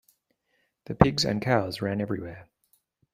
The pigs and cows ran everywhere.